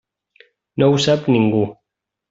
No ho sap ningú.